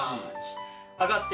上がって。